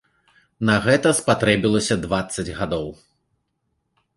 На гэта спатрэбілася дваццаць гадоў!